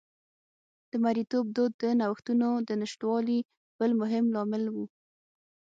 د مریتوب دود د نوښتونو د نشتوالي بل مهم لامل و